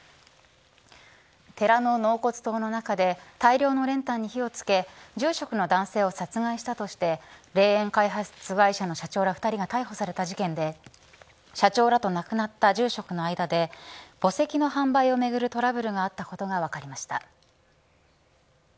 寺の納骨堂の中で大量の練炭に火をつけ住職の男性を殺害したとして霊園開発会社の社長ら２人が逮捕された事件で社長らと亡くなった住職の間で墓石の販売をめぐるトラブルがあったことが分かりました。